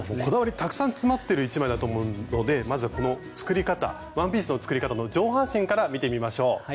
こだわりたくさん詰まってる一枚だと思うのでまずはこの作り方ワンピースの作り方の上半身から見てみましょう。